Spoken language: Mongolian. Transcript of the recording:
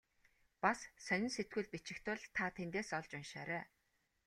Бас сонин сэтгүүлд бичих тул та тэндээс олж уншаарай.